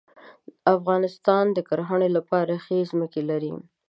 افغانستان د کرهڼې لپاره ښې ځمکې لري.